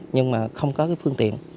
nhưng mà không có cái phương tiện